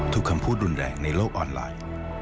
คำพูดรุนแรงในโลกออนไลน์